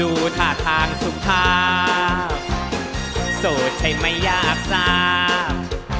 ดูถ่าทางสุขภาพโสดใช่มั้ยยากทราบ